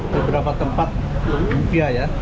beberapa tempat lumpia ya